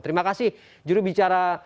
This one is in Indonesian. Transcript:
terima kasih jurubicara